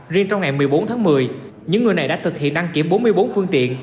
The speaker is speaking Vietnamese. riêng trong ngày một mươi bốn tháng một mươi những người này đã thực hiện đăng kiểm bốn mươi bốn phương tiện